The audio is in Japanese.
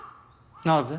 なぜ？